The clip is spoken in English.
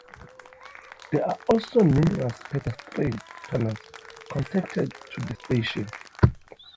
There are also numerous pedestrian tunnels connected to the stations.